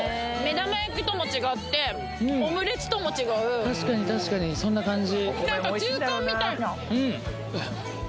そうそう確かに確かにそんな感じ